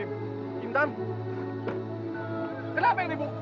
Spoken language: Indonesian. ibu jangan tinggalin pintar ibu